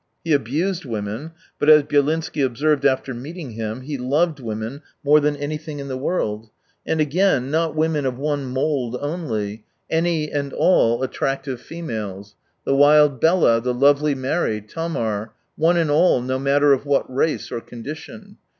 He abused women, but, as Byelinsky observed after meeting him, he loved women more than anything in 152 the world. And again, not women of one mould only : any and all attractive females : the wild Bella, the lovely Mary, Thamar ; one and all, no matter of what race or condition.